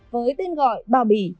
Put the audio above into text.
với tên gọi bào bì